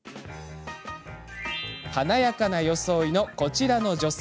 華やかな装いのこちらの女性。